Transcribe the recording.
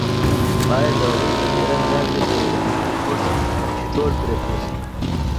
باید د هغوی په سیرت داسې پروګرامونه جوړ شي چې ټول پرې پوه شي.